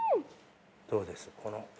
どうです？